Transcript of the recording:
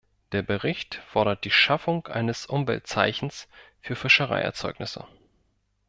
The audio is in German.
Der Bericht fordert die Schaffung eines Umweltzeichens für Fischereierzeugnisse.